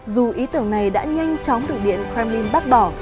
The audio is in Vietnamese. dù ý tưởng này đã nhanh chóng được điện kremlin bác bỏ